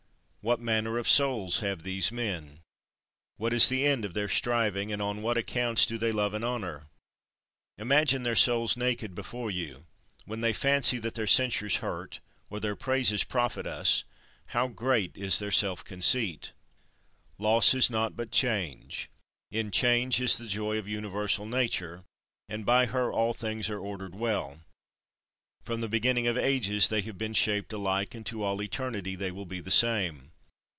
34. What manner of souls have these men? What is the end of their striving; and on what accounts do they love and honour? Imagine their souls naked before you. When they fancy that their censures hurt, or their praises profit us, how great is their self conceit! 35. Loss is naught but change; in change is the joy of universal Nature, and by her all things are ordered well. From the beginning of ages they have been shaped alike, and to all eternity they will be the same.